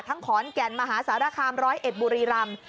ทั้งขอนแก่นมหาศาลคามร้อยเอ็ดบุรีรำ